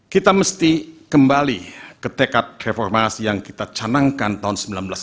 kita mesti kembali ke tekad reformasi yang kita canangkan tahun seribu sembilan ratus empat puluh